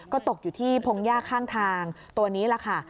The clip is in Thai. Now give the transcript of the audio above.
ก็ตกอยู่ที่พงหญ้าข้างทางตัวนี้แหละค่ะ